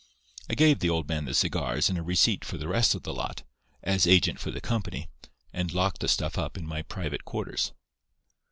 I gave the old man the cigars and a receipt for the rest of the lot, as agent for the company, and locked the stuff up in my private quarters.